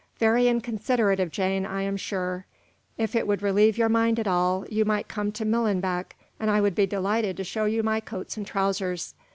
"Very inconsiderate of Jane, I am sure. If it would relieve your mind at all, you might come to Millenbeck, and I would be delighted to show you my coats and trousers.